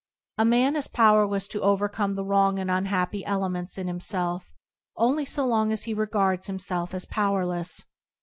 A man is powerless to overcome the wrong and unhappy elements in himself only so long as he regards himself as 'powerless.